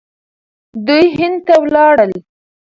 دوی هند ته ولاړل.